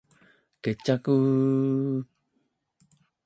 決着ゥゥゥゥゥ！